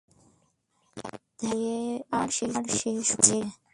ধ্যাত, ফ্লেয়ার শেষ হয়ে গেছে!